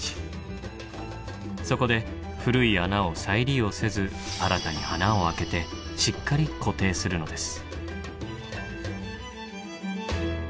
そこで古い穴を再利用せず新たに穴を開けてしっかり固定するのです。